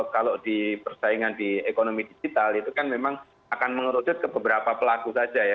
kalau di persaingan di ekonomi digital itu kan memang akan mengerucut ke beberapa pelaku saja ya